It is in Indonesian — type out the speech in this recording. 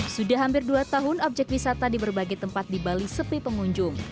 sudah hampir dua tahun objek wisata di berbagai tempat di bali sepi pengunjung